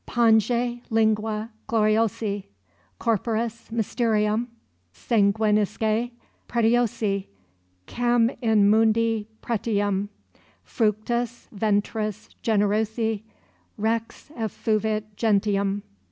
"Pange, lingua, g]oriosi Corporis mysterium, Sanguinisque pretiosi Quem in mundi pretium, Fructus ventris generosi Rex effudit gentium."